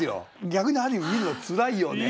逆にある意味見るのつらいよね。